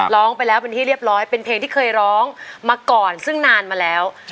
ร้องไปแล้วเป็นที่เรียบร้อยเป็นเพลงที่เคยร้องมาก่อนซึ่งนานมาแล้ว